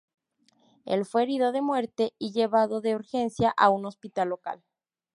Él fue herido de muerte y llevado de urgencia a un hospital local.